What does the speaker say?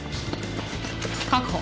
確保。